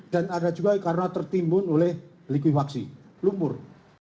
dan ada juga karena tertimbun oleh likuifaksi lumpur